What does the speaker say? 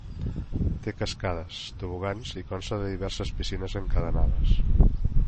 Té cascades, tobogans i consta de diverses piscines encadenades.